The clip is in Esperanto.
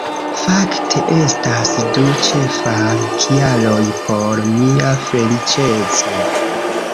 Fakte estas du ĉefaj kialoj por mia feliĉeco